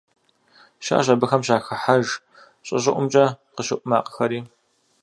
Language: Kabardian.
Щыӏэщ абыхэм щахыхьэж щӏы щӏыӏумкӏэ къыщыӏу макъхэри.